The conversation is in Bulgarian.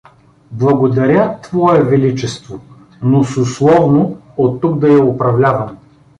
— Благодаря, твое величество, но с условно оттук да я управлявам.